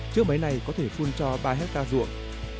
chiếc máy này có thể phun cho ba hectare ruộng